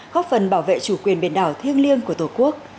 góp phần bảo vệ chủ quyền biển đảo thiêng liêng của tổ quốc